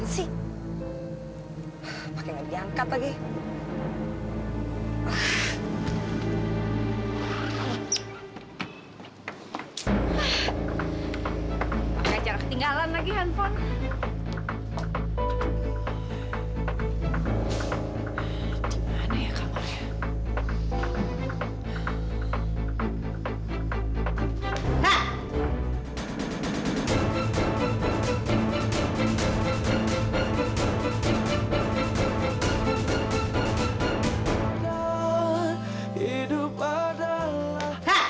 sampai jumpa di video selanjutnya